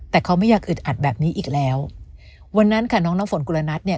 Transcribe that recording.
แต่เขาไม่อยากอึดอัดแบบนี้อีกแล้ววันนั้นค่ะน้องน้ำฝนกุลนัทเนี่ย